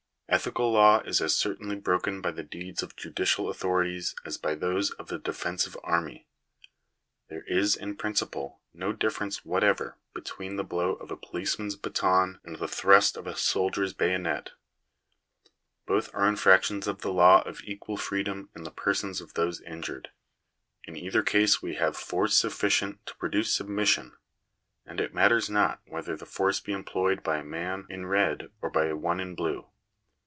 Ethical law is as certainly broken by the deeds of judicial authorities as by those of a defensive army. There is, in principle, no difference whatever between the blow of a policeman's baton and the thrust of a soldier's bayonet. Both are infractions of the law of equal freedom in the persons of those injured. In either case we have force sufficient to pro duce submission; and it matters not whether that force be employed by a man in red or by one in blue.